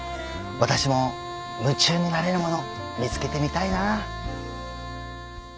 私も夢中になれるもの見つけてみたいな。